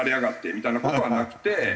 みたいな事はなくて。